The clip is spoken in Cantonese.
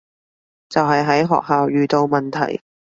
就係喺學校遇到問題